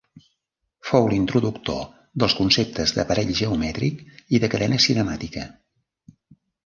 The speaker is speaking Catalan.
Fou l'introductor dels conceptes de parell geomètric i de cadena cinemàtica.